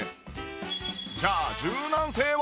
じゃあ柔軟性は？